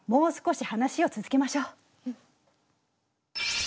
うん。